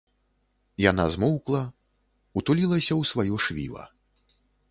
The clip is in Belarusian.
Яна змоўкла, утулілася ў сваё швіва.